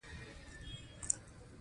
لومړنی اساسي قانون په پښتو ولیکل شول.